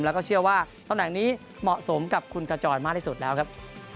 แล้วก็เชื่อว่าตำแหน่งนี้เหมาะสมกับคุณกระจอยมากที่สุดแล้วครับ